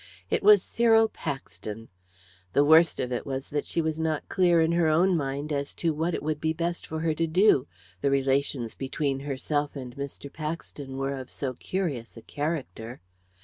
It was Cyril Paxton. The worst of it was that she was not clear in her own mind as to what it would be best for her to do the relations between herself and Mr. Paxton were of so curious a character.